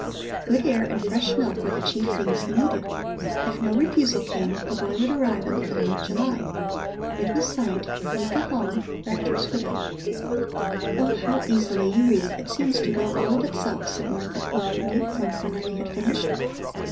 Good air and fresh milk were the chief things he needed. If no refusal came, the boy would arrive in the middle of July. It was signed: Nika Halm, rector's widow. "Oh, how easily you read. It seems to go all of itself," said Martha admiringly, when Cornelli had finished.